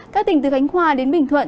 các tỉnh từ khánh hòa đến bình thuận